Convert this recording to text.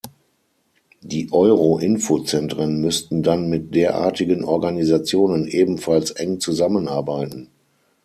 Die Euro-Info-Zentren müssten dann mit derartigen Organisationen ebenfalls eng zusammenarbeiten.